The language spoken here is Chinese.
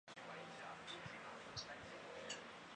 最终在革命军和宋永芳的影响下毅然投身抗战行列。